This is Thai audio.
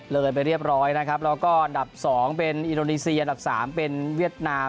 เลยไปเรียบร้อยนะครับแล้วก็อันดับ๒เป็นอินโดนีเซียอันดับ๓เป็นเวียดนาม